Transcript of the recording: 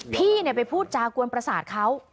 พี่ไปพูดจากวนประสาทเขา